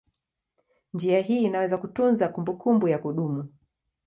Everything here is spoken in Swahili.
Njia hii inaweza kutunza kumbukumbu ya kudumu.